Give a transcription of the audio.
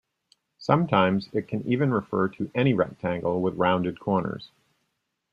Sometimes, it can even refer to any rectangle with rounded corners.